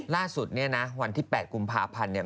ล่าสุดเนี่ยนะวันที่๘กุมภาพันธ์เนี่ย